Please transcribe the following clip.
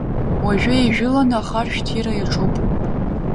Уажәы еижәыланы ахаршә ҭира иаҿуп.